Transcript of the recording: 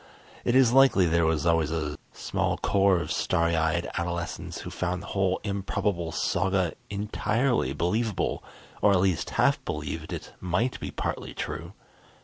It is likely there was always a small corps of starry eyed adolescents who found the whole improbable saga entirely believable, or at least half believed it might be partly true.